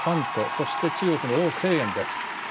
そして、中国の汪生艶です。